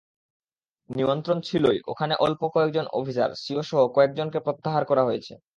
নিয়ন্ত্রণ ছিলই, ওখানে অল্প কয়েকজন অফিসার, সিওসহ কয়েকজনকে প্রত্যাহার করা হয়েছে।